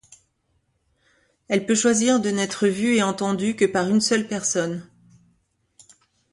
Elle peut choisir de n'être vue et entendue que par une seule personne.